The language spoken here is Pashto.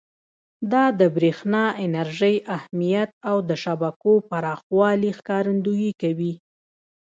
دا د برېښنا انرژۍ اهمیت او د شبکو پراخوالي ښکارندویي کوي.